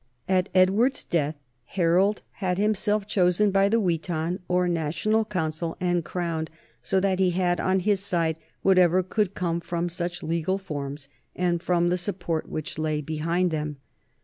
At Edward's death Harold had himself chosen by the witan, or national council, and crowned, so that he had on his side what ever could come from such legal forms and from the sup port which lay behind them.